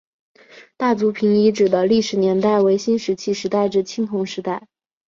大族坪遗址的历史年代为新石器时代至青铜时代。